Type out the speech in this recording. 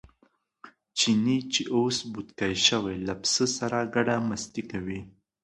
چیني چې اوس بوتکی شوی له پسه سره ګډه مستي کوي.